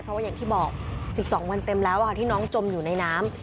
เพราะว่าอย่างที่บอก๑๒วันเต็มแล้วที่น้องจมอยู่ในน้ำ